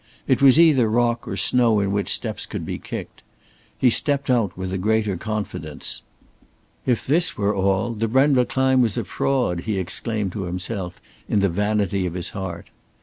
It was either rock or snow in which steps could be kicked. He stepped out with a greater confidence. If this were all, the Brenva climb was a fraud, he exclaimed to himself in the vanity of his heart.